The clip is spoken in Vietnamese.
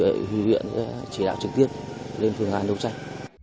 đội sự quan trị huy viện chỉ đạo trực tiếp lên phương án đấu tranh